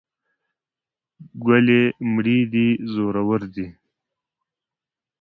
ګلې مړې دې زورور دي.